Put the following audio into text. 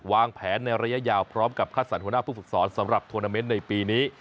วางแผนในระยะยาวพร้อมกับคัดสรรคุณภูมิภูมิสรุกสอนสำหรับทวนาเมนต์ในปีนี้